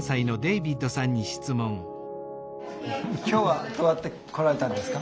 今日はどうやって来られたんですか？